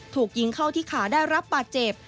ถูกยิงเข้าที่ขาได้รับบาดเจ็บ